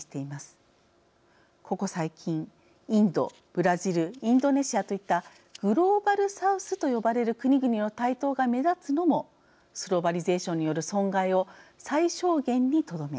ここ最近インドブラジルインドネシアといったグローバルサウスと呼ばれる国々の台頭が目立つのもスローバリゼーションによる損害を最小限にとどめ